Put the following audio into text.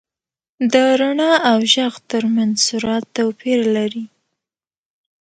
• د رڼا او ږغ تر منځ سرعت توپیر لري.